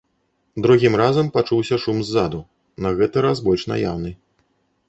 Другім разам пачуўся шум ззаду, на гэты раз больш наяўны.